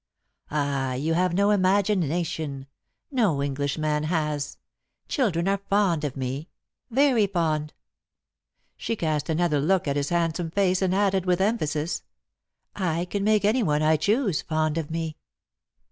"Ah, you have no imagination no Englishman has. Children are fond of me very fond." She cast another look at his handsome face, and added with emphasis, "I can make any one I choose fond of me."